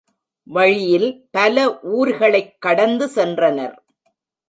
வழியில் பல ஊர்களைக் கடந்து சென்றனர்.